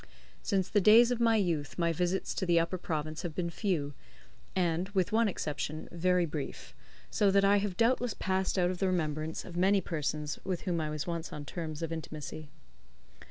Since the days of my youth my visits to the Upper Province have been few, and with one exception very brief; so that I have doubtless passed out of the remembrance of many persons with whom I was once on terms of intimacy.